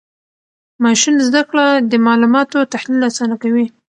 ماشین زده کړه د معلوماتو تحلیل آسانه کوي.